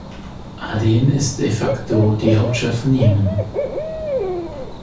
Aden ist de facto die Hauptstadt von Jemen.